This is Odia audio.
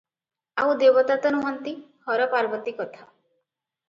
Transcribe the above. ଆଉ ଦେବତା ତ ନୁହନ୍ତି; ହର ପାର୍ବତୀ କଥା ।